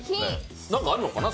何かあるのかな